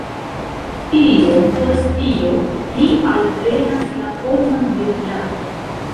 Iom post iom li alprenas la formon de drako.